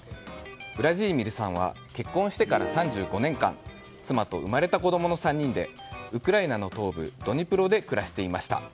ウラジーミルさんは結婚してから３５年間妻と生まれた子供の３人でウクライナの東部ドニプロで暮らしていました。